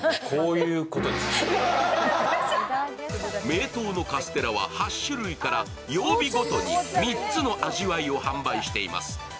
名東のカステラは８種類から曜日ごとに３つの味わいを販売しています。